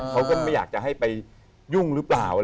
เขาก็ไม่อยากจะให้ไปยุ่งหรือเปล่า